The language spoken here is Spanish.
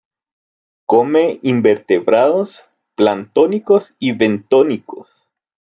Come invertebrados planctónicos y bentónicos.